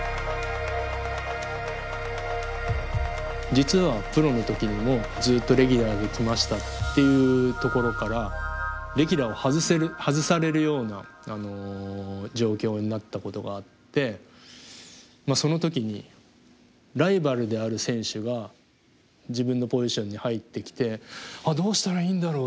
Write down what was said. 実はプロの時にもずっとレギュラーで来ましたっていうところからレギュラーを外されるような状況になったことがあってその時にライバルである選手が自分のポジションに入ってきてどうしたらいいんだろうって。